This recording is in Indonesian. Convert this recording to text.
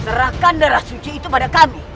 serahkan darah suci itu pada kami